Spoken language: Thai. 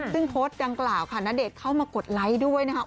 ซึ่งโพสต์ดังกล่าวค่ะณเดชน์เข้ามากดไลค์ด้วยนะครับ